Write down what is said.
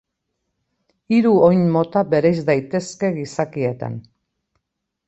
Hiru oin mota bereiz daitezke gizakietan.